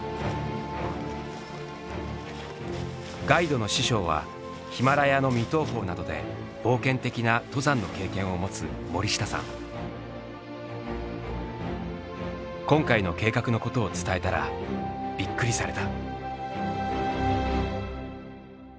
ガイドの師匠はヒマラヤの未踏峰などで冒険的な登山の経験を持つ今回の計画のことを伝えたらびっくりされた。